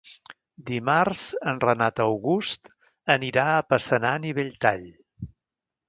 Dimarts en Renat August anirà a Passanant i Belltall.